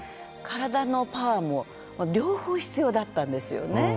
カラダのパワーも両方必要だったんですよね。